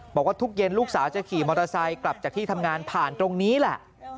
บอกว่าทุกเย็นลูกสาวจะขี่มอเตอร์ไซค์กลับจากที่ทำงานผ่านตรงนี้แหละ